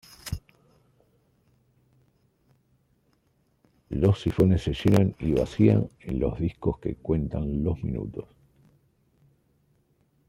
Los sifones se llenan y vacían en los discos que cuentan los minutos.